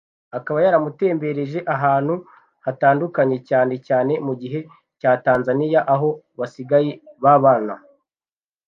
akaba yaramutembereje ahantu hatandukanye cyane cyane mu gihigu cya Tanzania aho basigaye babana